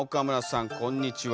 こんにちは！